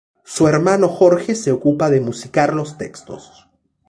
Su hermano Jorge se ocupa de musicar los textos.